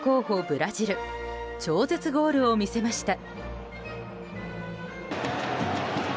ブラジル超絶ゴールを見せました。